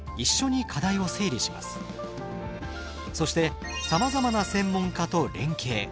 そしてさまざまな専門家と連携。